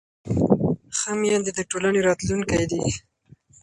ښه میندې د ټولنې راتلونکی دي.